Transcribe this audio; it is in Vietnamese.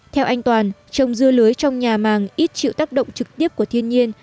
theo anh toàn trồng dưa lưới trong nhà màng ít chịu tác động trực tiếp của thiên nhiên